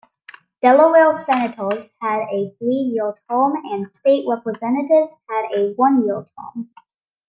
Delaware Senators had a three-year term and State Representatives had a one-year term.